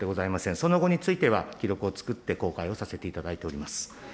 その後については、記録を作って公開をさせていただいております。